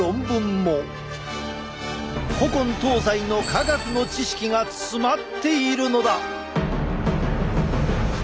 古今東西の科学の知識が詰まっているのだ！